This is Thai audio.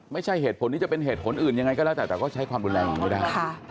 ไม่ใช่เหตุผลนี้จะเป็นเหตุผลอื่นยังไงก็แล้วแต่แต่ก็ใช้ความรุนแรงอย่างนี้ได้